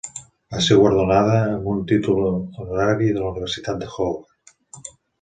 Va ser guardonada amb un títol honorari de la Universitat de Howard.